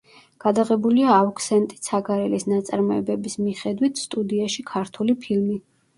გადაღებულია ავქსენტი ცაგარელის ნაწარმოებების მიხედვით, სტუდიაში ქართული ფილმი.